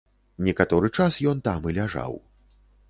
Некаторы час ён там і ляжаў.